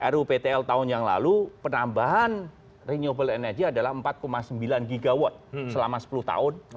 ruptl tahun yang lalu penambahan renewable energy adalah empat sembilan gigawatt selama sepuluh tahun